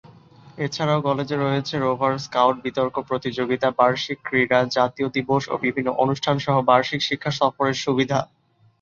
এছারাও কলেজে রয়েছে রোভার স্কাউট, বিতর্ক প্রতিযোগিতা, বার্ষিক ক্রীড়া, জাতীয় দিবস ও বিভিন্ন অনুষ্ঠান সহ বার্ষিক শিক্ষা সফরের সুবিধা।